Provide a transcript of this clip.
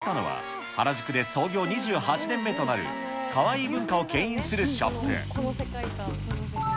向かったのは、原宿で創業２８年目となる、カワイイ文化をけん引するショップ。